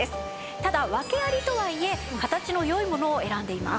ただ訳ありとはいえ形の良いものを選んでいます。